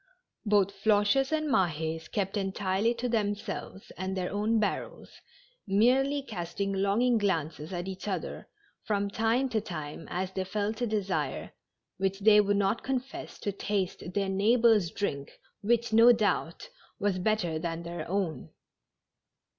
Both Floches and Mahds kept entirely to themselves and their own barrels, merely casting longing glances at each other, from time to time, as they felt a desire, which they would not confess, to taste their neighbors' drink, which, no doubt, was bet ter than their own.